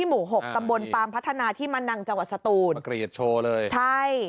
มากรีดโชว์เลยใช่